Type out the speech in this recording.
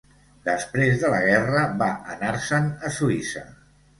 Després de la guerra va anar-se'n a Suïssa.